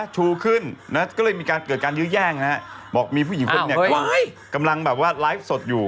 ชูขึ้นก็เลยมีการเกิดการยื้อแย่งนะครับบอกมีผู้หญิงคนกำลังไลฟ์สดอยู่